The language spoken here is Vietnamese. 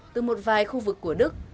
từ một vài khu vực của đức